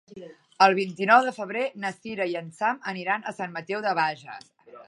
El vint-i-nou de febrer na Cira i en Sam aniran a Sant Mateu de Bages.